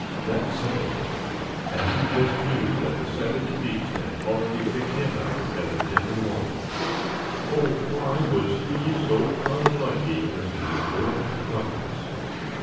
That settled it, and he just knew that the savage beast had already picked him out as a tender morsel. Oh! why was he so unlucky as to be born to plumpness?